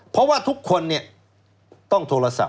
เพราะว่าทุกคนต้องโทรศัพท์